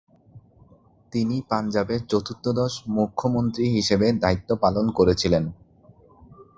তিনি পাঞ্জাবের চতুর্দশ মুখ্যমন্ত্রী হিসেবে দায়িত্ব পালন করেছিলেন।